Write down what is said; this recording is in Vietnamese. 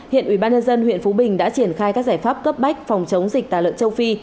hiện ubnd huyện phú bình đã triển khai các giải pháp cấp bách phòng chống dịch tả lợn châu phi